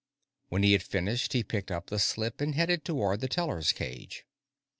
When he had finished, he picked up the slip and headed towards the teller's cage.